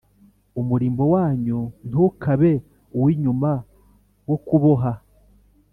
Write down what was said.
Umurimbo wanyu ntukabe uw inyuma wo kuboha